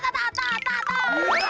mantap tata tata tata